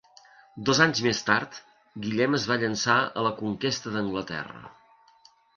Dos anys més tard, Guillem es va llançar a la conquesta d'Anglaterra.